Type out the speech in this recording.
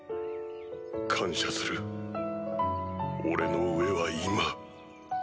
感謝する俺の飢えは今。